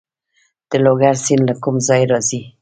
د لوګر سیند له کوم ځای راځي؟